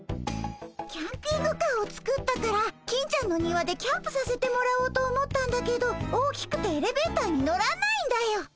キャンピングカーを作ったから金ちゃんの庭でキャンプさせてもらおうと思ったんだけど大きくてエレベーターに乗らないんだよ。